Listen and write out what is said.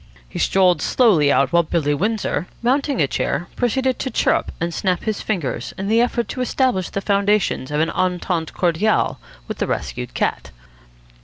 He strolled slowly out, while Billy Windsor, mounting a chair, proceeded to chirrup and snap his fingers in the effort to establish the foundations of an entente cordiale with the rescued cat.